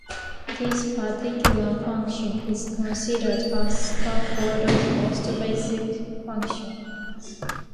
This particular function is considered a scaffold's most basic function.